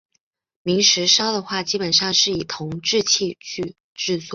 明石烧的话基本上是以铜制器具制作。